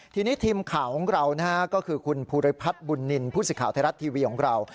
ทีนี้ทีมข่าวของเราก็คือคุณภูริพัฒน์บุญนินผู้สิทธิ์ไทยรัฐทีวีของเรา